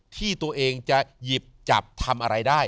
ที่ตัวเองจะหยิบจับทำอะไรได้